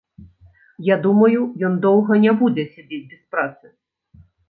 Я думаю, ён доўга не будзе сядзець без працы.